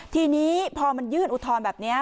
ทีนี้พอมันยื่นอุทธรณ์แบบนี้